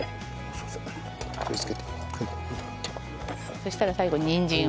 そしたら最後にんじんを。